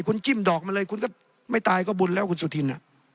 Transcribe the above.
คุณจิ้มดอกมาเลยคุณก็ไม่ตายก็บุญแล้วคุณสุธิน